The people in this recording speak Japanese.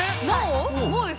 もうですか？